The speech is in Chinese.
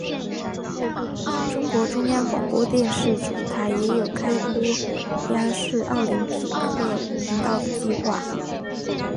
中国中央广播电视总台也有开播央视奥林匹克频道的计划。